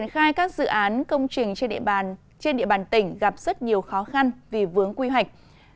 khai các dự án công trình trên địa bàn tỉnh gặp rất nhiều khó khăn vì vướng quy hoạch